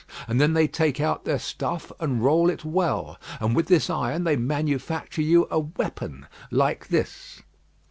And then they take out their stuff and roll it well; and with this iron they manufacture you a weapon like this."